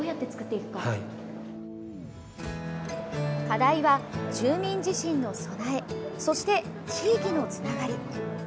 課題は住民自身の備えそして地域のつながり。